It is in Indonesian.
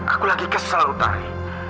aku lagi kesel utari